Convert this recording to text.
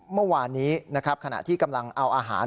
เมื่อวานนี้นะครับขณะที่กำลังเอาอาหาร